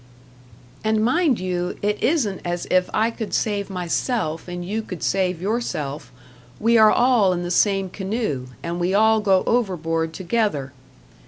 And mind you, it isn't as if I could save myself and you could save yourself; we are all in the same canoe, and we all go overboard together.